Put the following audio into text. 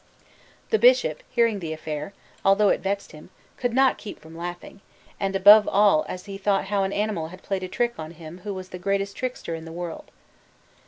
The Bishop, hearing the affair, although it vexed him, could not keep from laughing, and above all as he thought how an animal had played a trick on him who was the greatest trickster in the world.